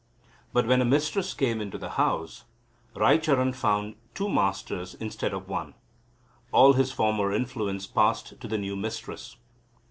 But, when a mistress came into the house, Raicharan found two masters instead of one. All his former influence passed to the new mistress.